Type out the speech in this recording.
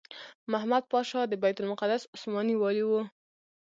محمد پاشا د بیت المقدس عثماني والي وو.